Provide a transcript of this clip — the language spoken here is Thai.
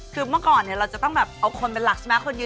คือเมื่อก่อนเราจะต้องแบบเอาคนเป็นหลักใช่ไหมคนยืน